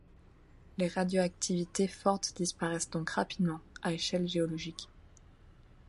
Les radioactivités fortes disparaissent donc rapidement, à échelle géologique.